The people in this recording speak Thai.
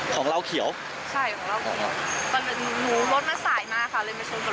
ของเราเขียวใช่ของเราเขียวรถมันสายมากเขาเลย